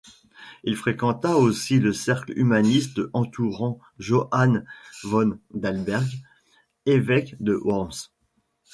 Il fréquenta aussi le cercle humaniste entourant Johann von Dalberg, évêque de Worms.